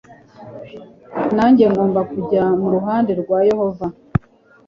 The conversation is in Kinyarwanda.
nanjye ngomba kujya mu ruhande rwa yehova